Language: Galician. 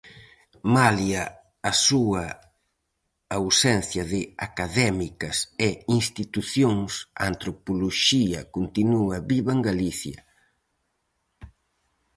Malia a súa ausencia de académicas e institucións, a antropoloxía continúa viva en Galicia.